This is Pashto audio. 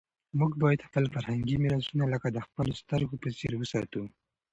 موږ باید خپل فرهنګي میراثونه لکه د خپلو سترګو په څېر وساتو.